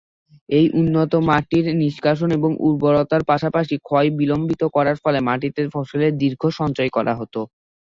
এই উন্নত মাটির নিষ্কাশন এবং উর্বরতার পাশাপাশি ক্ষয় বিলম্বিত করার ফলে মাটিতে ফসলের দীর্ঘ সঞ্চয় করা হতো।